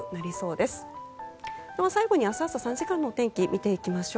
では最後に明日朝３時間の天気を見ていきましょう。